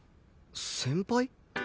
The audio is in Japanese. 先輩？